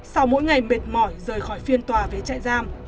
sau mỗi ngày mệt mỏi rời khỏi phiên tòa về trại giam